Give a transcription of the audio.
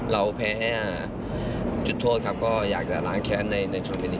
เราแพ้จุดโทษก็อยากล้างแค้นในช่วงนี้